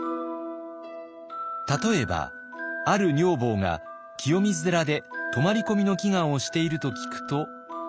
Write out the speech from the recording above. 例えばある女房が清水寺で泊まり込みの祈願をしていると聞くと。